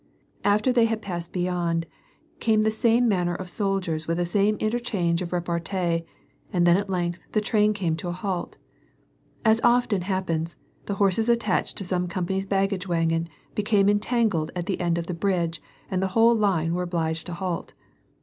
After they had passed beyond, came the same manner of soldiers with the same interchange of repartee and then at length the train came to a halt. As often happens, the horses attached to some company^s baggage wagon became entangled at the end of the bridge, and the whole line were obliged to halt.